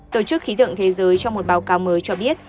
tổ chức khí tượng thế giới trong một báo cáo mới cho biết